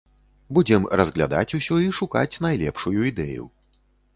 Будзем разглядаць усё і шукаць найлепшую ідэю.